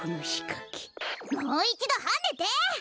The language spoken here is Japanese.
もういちどはねて！